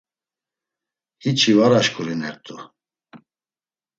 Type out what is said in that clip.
Hiç̌i var aşǩurinert̆u.